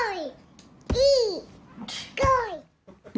อีก